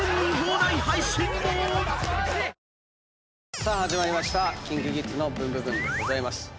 さあ始まりました『ＫｉｎＫｉＫｉｄｓのブンブブーン！』です。